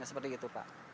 seperti itu pak